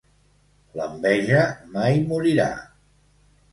L'enveja mai morirà.